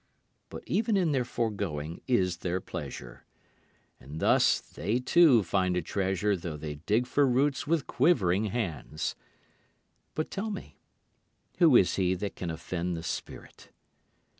But even in their foregoing is their pleasure. And thus they too find a treasure though they dig for roots with quivering hands. But tell me, who is he that can offend the spirit?